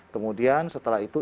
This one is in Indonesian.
kemudian setelah itu